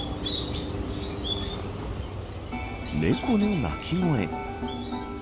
猫の鳴き声。